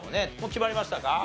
決まりました。